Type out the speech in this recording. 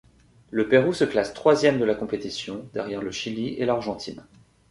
Le Pérou se classe troisième de la compétition, derrière le Chili et l'Argentine.